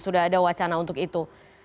sudah ada wacana untuk itu